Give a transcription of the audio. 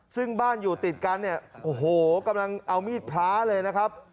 ซึ่งบ้านอยู่ติดกันเนี่ยโอ้โหกำลังเอามีดพระเลยนะครับ